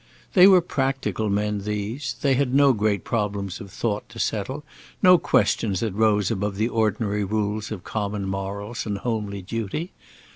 They were practical men, these! they had no great problems of thought to settle, no questions that rose above the ordinary rules of common morals and homely duty.